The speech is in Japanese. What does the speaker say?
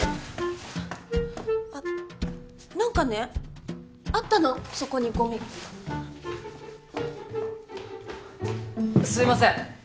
あっ何かねあったのそこにゴミすいません